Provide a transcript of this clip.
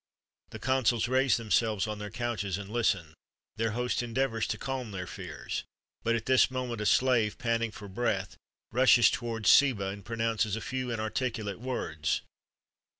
The consuls raise themselves on their couches and listen; their host endeavours to calm their fears; but at this moment a slave, panting for breath, rushes towards Seba, and pronounces a few inarticulate words.